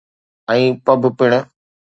۽ Pub پڻ.